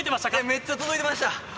めっちゃ届いていました。